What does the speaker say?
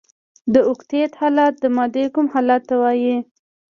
د اوکتیت حالت د مادې کوم حال ته وايي؟